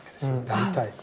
大体。